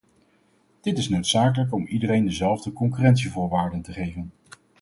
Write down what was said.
Dit is noodzakelijk om iedereen dezelfde concurrentievoorwaarden te geven.